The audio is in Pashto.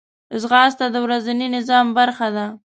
ځغاسته د ورځني نظام برخه ده